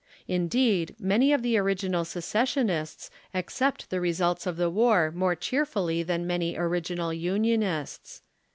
Indeed, many of the original secessionists accept the results of the war more cheerfully than many original Unionists.